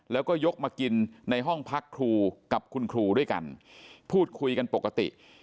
แล้วก็ยกมากินในห้องพักครูกับคุณครูด้วยกันพูดคุยกันปกติ